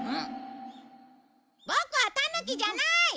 ボクはタヌキじゃない！